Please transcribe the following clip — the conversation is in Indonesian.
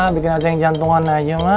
bikin aja yang jantungan aja mah